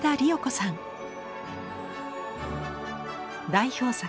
代表作